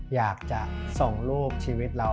อยากจะส่งรูปชีวิตเรา